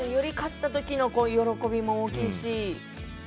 より勝ったときの喜びも大きいし。